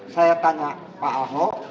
saya tanya pak ahok